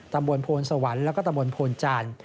ตำบลโพญสวรรค์และตำบลโพญจ่าญ